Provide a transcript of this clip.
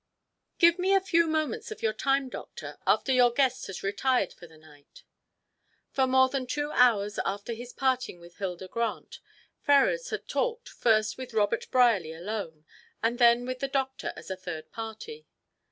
"Give me a few moments of your time, doctor, after your guest has retired for the night." For more than two hours after his parting with Hilda Grant, Ferrars had talked, first with Robert Brierly alone, and then with the doctor as a third party.